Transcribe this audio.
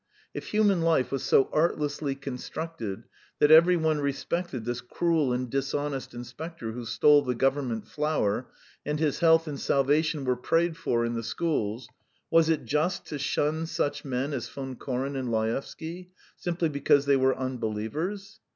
If human life was so artlessly constructed that every one respected this cruel and dishonest inspector who stole the Government flour, and his health and salvation were prayed for in the schools, was it just to shun such men as Von Koren and Laevsky, simply because they were unbelievers?